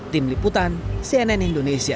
tim liputan cnn indonesia